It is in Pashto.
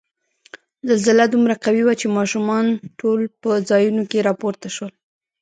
زلزله دومره قوي وه چې ماشومان ټول په ځایونو کې را پورته شول.